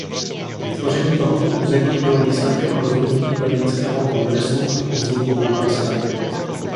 Vytvoření tohoto území bylo výsledkem rozhodnutí Berlínského kongresu o vzniku Bulharska.